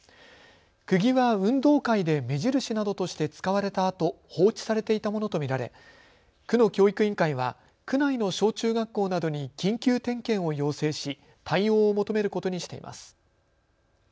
くぎは運動会で目印などとして使われたあと放置されていたものと見られ区の教育委員会は区内の小中学校などに緊急点検を要請し対応を求めることにしています。